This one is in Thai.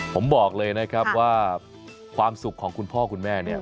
ผมบอกเลยนะครับว่าความสุขของคุณพ่อคุณแม่เนี่ย